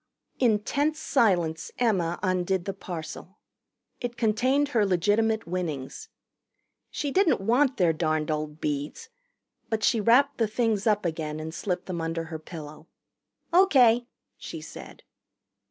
In tense silence Emma undid the parcel. It contained her legitimate winnings. She didn't want their darned old beads, but she wrapped the things up again and slipped them under her pillow. "O.K.," she said.